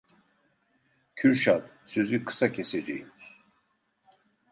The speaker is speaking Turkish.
Kürşad, sözü kısa keseceğim.